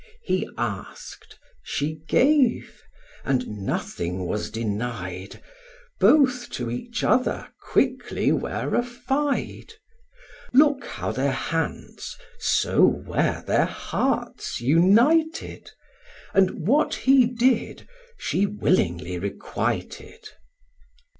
He ask'd; she gave; and nothing was denied; Both to each other quickly were affied: Look how their hands, so were their hearts united, And what he did, she willingly requited.